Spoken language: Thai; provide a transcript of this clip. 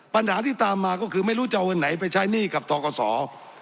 ปัญหาที่ตามมาก็คือไม่รู้จะเอาเงินไหนไปใช้หนี้กับทกศ